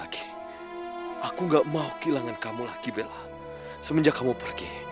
kita tetariking firman ataupun dengan komunikasi sementara lagi